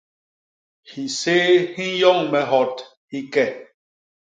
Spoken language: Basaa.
Hiséé hi nyoñ me hot hi ke.